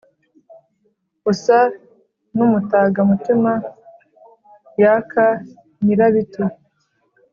usa n’umutaga mutima yaka nyirabiti,